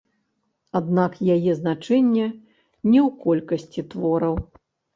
Аднак яе значэнне не ў колькасці твораў.